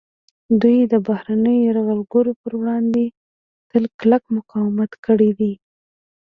دوی د بهرنیو یرغلګرو پر وړاندې تل کلک مقاومت کړی دی